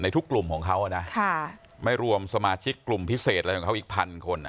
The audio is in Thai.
ทุกกลุ่มของเขานะไม่รวมสมาชิกกลุ่มพิเศษอะไรของเขาอีกพันคน